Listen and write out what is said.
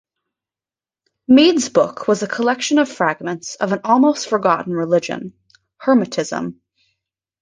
Mead's book was a collection of fragments of an almost forgotten religion: Hermetism.